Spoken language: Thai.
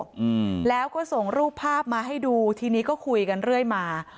อืมแล้วก็ส่งรูปภาพมาให้ดูทีนี้ก็คุยกันเรื่อยมา